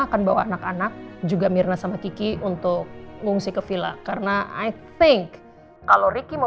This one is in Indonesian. akan bawa anak anak juga mirna sama kiki untuk mengungsi ke villa karena i think kalau ricky mau